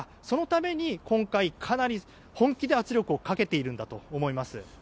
そのために今回本気で圧力をかけているんだと思います。